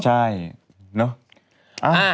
ใช่เนอะ